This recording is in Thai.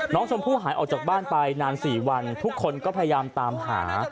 น้องชมพู่หายออกจากบ้านไปนาน๔วันทุกคนก็พยายามตามหา